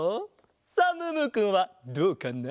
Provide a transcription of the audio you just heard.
さあムームーくんはどうかな？